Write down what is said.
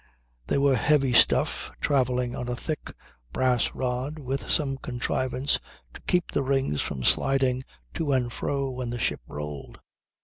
They were heavy stuff, travelling on a thick brass rod with some contrivance to keep the rings from sliding to and fro when the ship rolled.